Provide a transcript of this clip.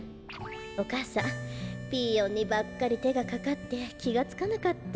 お母さんピーヨンにばっかりてがかかってきがつかなかった。